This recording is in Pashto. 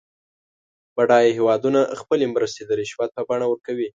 بډایه هېوادونه خپلې مرستې د رشوت په بڼه ورکوي.